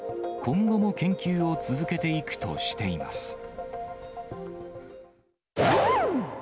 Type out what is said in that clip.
今後も研究を続けていくとしています。